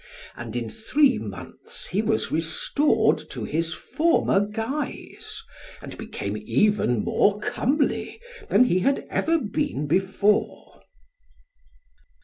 And in three months he was restored to his former guise, and became even more comely, than he had ever been before.